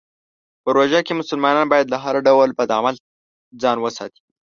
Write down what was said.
په روژه کې مسلمانان باید له هر ډول بد عمل ځان وساتي.